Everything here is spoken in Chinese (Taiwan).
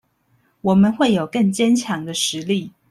我們會有更堅強的實力